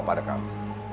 apa ada kamu